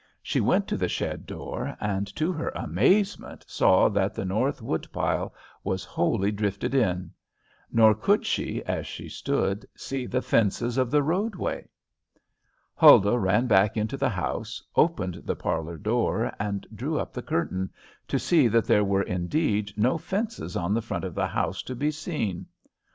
She went to the shed door, and to her amazement saw that the north wood pile was wholly drifted in! Nor could she, as she stood, see the fences of the roadway! Huldah ran back into the house, opened the parlor door and drew up the curtain, to see that there were indeed no fences on the front of the house to be seen.